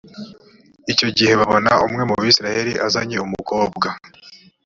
icyo gihe babona umwe mu bayisraheli azanye umukobwa.